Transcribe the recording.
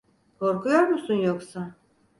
Korkuyor musun yoksa?